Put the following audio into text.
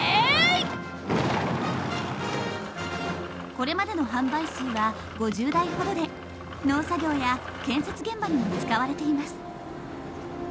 これまでの販売数は５０台ほどで農作業や建設現場にも使われています。